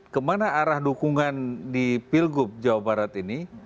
kemana arah dukungan di pilgub jawa barat ini